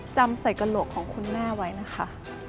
จำใส่กระโหลกของคุณแม่ไว้นะคะ